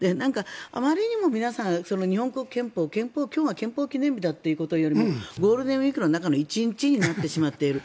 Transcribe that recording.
あまりにも皆さん、日本国憲法今日が憲法記念日だということよりもゴールデンウィークの中の１日になってしまっている。